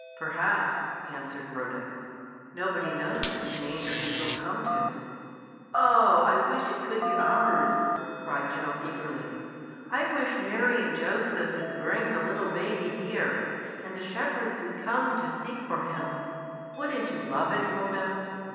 "Perhaps," answered Rhoda; "nobody knows whose manger He will come to." "Oh! I wish it could be ours!" cried Joan eagerly. "I wish Mary and Joseph 'ud bring the little baby here, and the shepherds 'ud come to seek for Him. Would n't you love it, Rhoda?"